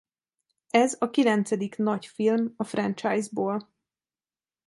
Ez a kilencedik nagy film a franchise-ból.